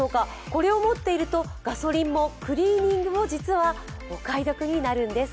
これを持って要るとガソリンもクリーニングも実はお買い得になるんです。